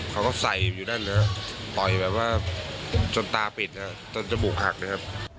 เขาก็ใส่อยู่ด้านนั้นค่ะต่อยแบบว่าจนตาปิดอ่ะจนจมูกอักนะครับ